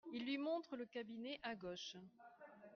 Il lui montre le cabinet à gauche.